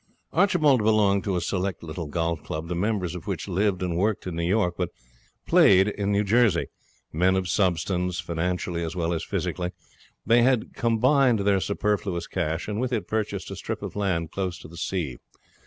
Archibald belonged to a select little golf club, the members of which lived and worked in New York, but played in Jersey. Men of substance, financially as well as physically, they had combined their superfluous cash and with it purchased a strip of land close to the sea.